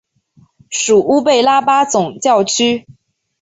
属乌贝拉巴总教区。